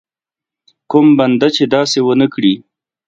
کوم بنده چې داسې ونه کړي.